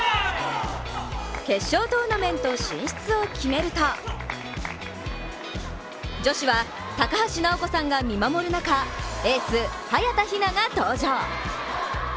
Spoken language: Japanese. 決勝トーナメント進出を決めると女子は高橋尚子さんが見守る中、エース・早田ひなが登場。